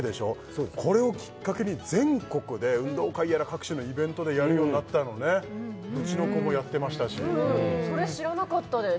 そうですこれをきっかけに全国で運動会やら各所のイベントでやるようになったのねうちの子もやってましたしそれ知らなかったです